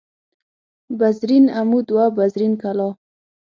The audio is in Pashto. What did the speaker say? بزرین عمود و بزرین کلاه